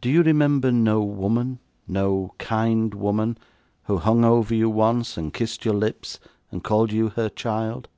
Do you remember no woman, no kind woman, who hung over you once, and kissed your lips, and called you her child?